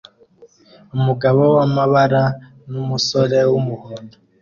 Umugabo wamabara numusore wumuhondo